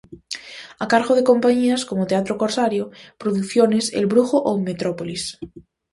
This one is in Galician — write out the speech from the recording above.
A cargo de compañías como Teatro Corsario, Producciones El Brujo ou Metrópolis.